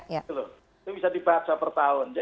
itu bisa dibaca per tahun